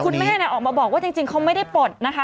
คุณแม่ออกมาบอกว่าจริงเขาไม่ได้ปลดนะคะ